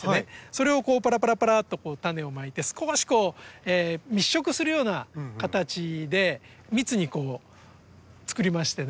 それをパラパラパラっと種をまいて少し密植するような形で密につくりましてね